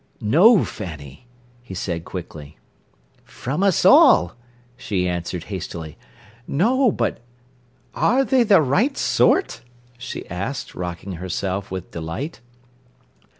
"No, Fanny," he said quickly. "From us all," she answered hastily. "No, but—" "Are they the right sort?" she asked, rocking herself with delight.